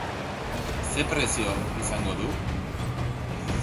Ze prezio izango du?